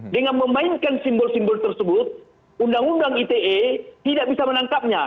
dengan memainkan simbol simbol tersebut undang undang ite tidak bisa menangkapnya